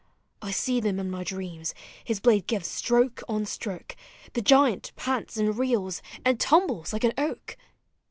I see them in my dreams— his blade gives stroke on stroke, The giant pants and reels— and tumbles like an oak!